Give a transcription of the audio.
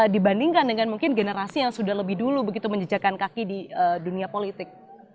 dibandingkan dengan mungkin generasi yang sudah lebih dulu begitu menjejakan kaki di dunia politik